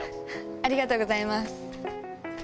ありがとうございます。